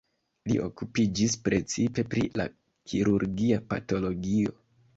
Li okupiĝis precipe pri la kirurgia patologio.